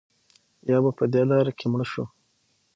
یا به په دې لاره کې مړه شو.